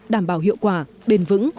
đảm bảo hiệu quả bền vững